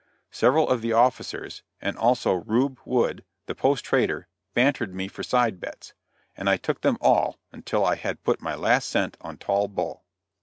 Several of the officers, and also Reub. Wood, the post trader, bantered me for side bets, and I took them all until I had put up my last cent on Tall Bull.